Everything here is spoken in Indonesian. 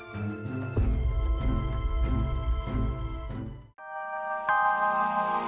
tuhan tolong aku tuhan